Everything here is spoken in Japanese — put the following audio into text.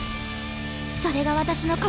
それが私の心！